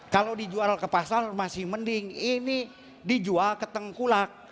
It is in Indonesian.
kalau dijual ke pasar masih mending ini dijual ke tengkulak